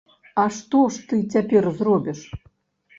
А што ж ты цяпер зробіш?